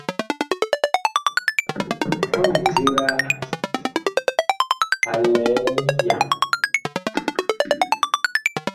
Nyɔ mindiga a lɛ mbyaŋ.